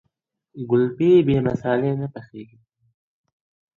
ګلپي بې مسالې نه پخېږي.